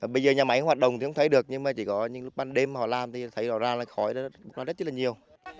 bây giờ nhà máy hoạt động thì không thấy được nhưng mà chỉ có những lúc ban đêm họ làm thì thấy rõ ràng là khói rất là nhiều